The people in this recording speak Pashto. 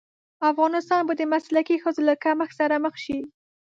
افغانستان به د مسلکي ښځو له کمښت سره مخ شي.